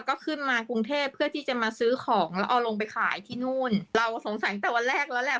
ก็ขึ้นมากรุงเทพเพื่อที่จะมาซื้อของแล้วเอาลงไปขายที่นู่นเราสงสัยตั้งแต่วันแรกแล้วแหละ